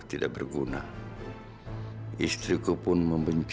gimana sih bapak